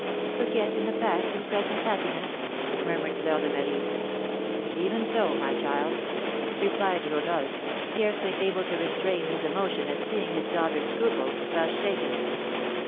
"Forget the past in present happiness!" murmured Fleur de Marie. "Even so, my child," replied Rodolph, scarcely able to restrain his emotion at seeing his daughter's scruples thus shaken.